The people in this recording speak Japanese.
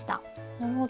なるほど。